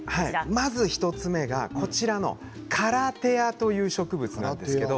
まず１つ目がこちらのカラテアという植物です。